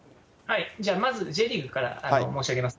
じゃあまず、Ｊリーグから申し上げます。